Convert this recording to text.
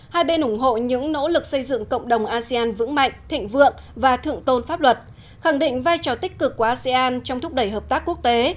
hai bên ủng hộ những nỗ lực xây dựng cộng đồng asean vững mạnh thịnh vượng và thượng tôn pháp luật khẳng định vai trò tích cực của asean trong thúc đẩy hợp tác quốc tế